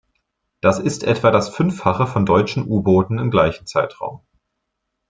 Das ist etwa das Fünffache von deutschen U-Booten im gleichen Zeitraum.